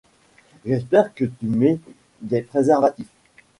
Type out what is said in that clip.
J'espère que tu mets des préservatifs !